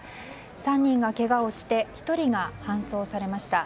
３人がけがをして１人が搬送されました。